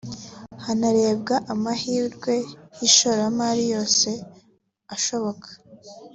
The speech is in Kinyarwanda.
hanarebwa amahirwe y’ishoramari yose ashoboka